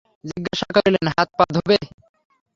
জিজ্ঞাসা করিলেন, হাত-পা ধোবে?